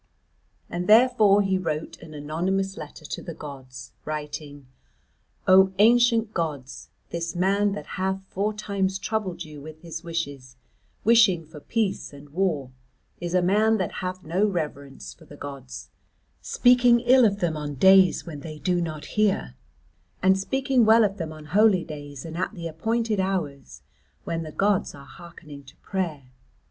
And therefore he wrote an anonymous letter to the gods, writing: "O ancient gods; this man that hath four times troubled you with his wishes, wishing for peace and war, is a man that hath no reverence for the gods, speaking ill of them on days when they do not hear, and speaking well of them on holy days and at the appointed hours when the gods are hearkening to prayer.